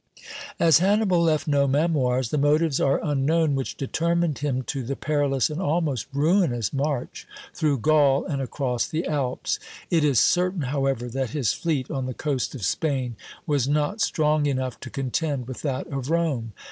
As Hannibal left no memoirs, the motives are unknown which determined him to the perilous and almost ruinous march through Gaul and across the Alps. It is certain, however, that his fleet on the coast of Spain was not strong enough to contend with that of Rome.